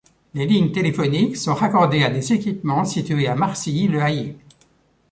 Les lignes téléphoniques sont raccordées à des équipements situés à Marcilly-le-Hayer.